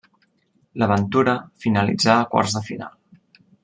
L'aventura finalitzà a quarts de final.